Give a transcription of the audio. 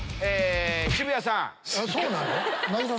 そうなの？